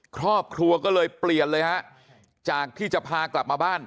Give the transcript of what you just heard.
ครอบครัวก็เลยเปลี่ยนเลยฮะจากที่จะพากลับมาบ้าน